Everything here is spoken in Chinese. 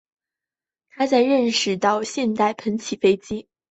他在认识到现代喷气飞机中普遍存在的后掠翼的重要性方面起到重要作用。